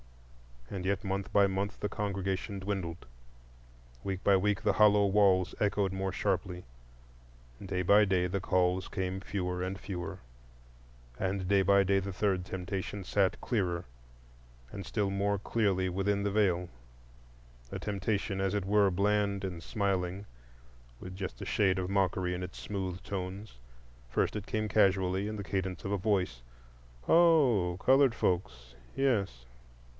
And yet month by month the congregation dwindled, week by week the hollow walls echoed more sharply, day by day the calls came fewer and fewer, and day by day the third temptation sat clearer and still more clearly within the Veil; a temptation, as it were, bland and smiling, with just a shade of mockery in its smooth tones. First it came casually, in the cadence of a voice: "Oh, colored folks? Yes."